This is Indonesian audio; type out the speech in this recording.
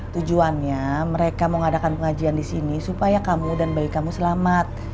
tujuannya mereka mengadakan pengajian di sini supaya kamu dan bayi kamu selamat